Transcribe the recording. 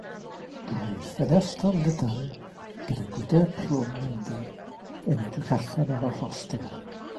Roedd ffenestr lydan gyda gwydr plwm ynddi yn edrych allan ar y rhostir.